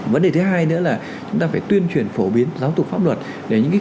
vấn đề thứ hai nữa là chúng ta phải tuyên truyền phổ biến giáo dục pháp luật